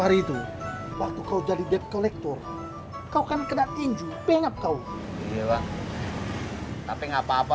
hari itu waktu kau jadi dep kolektor kau kan kena tinju pengap kau iya bang tapi nggak apa apa